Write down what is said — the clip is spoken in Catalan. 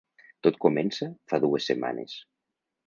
Tot comença fa dues setmanes.